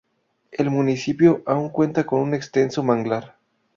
El municipio aún cuenta con un extenso Manglar.